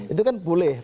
itu kan boleh